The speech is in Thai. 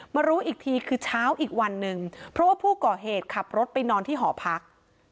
รู้อีกทีคือเช้าอีกวันหนึ่งเพราะว่าผู้ก่อเหตุขับรถไปนอนที่หอพัก